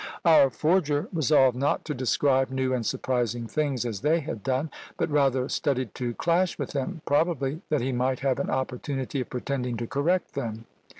Our forger resolved not to describe new and surprising things as they had done, but rather studied to clash with them, probably that he might have an opportunity of pretending to correct them.